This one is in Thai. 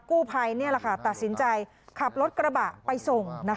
กู้ภัยตัดสินใจขับรถกระบะไปส่ง